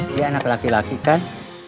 dia anak laki laki kan